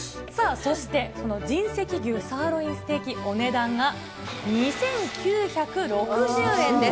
そして神石牛サーロインステーキ、お値段が２９６０円です。